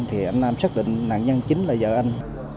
thì anh nam xác định nạn nhân chính là vợ anh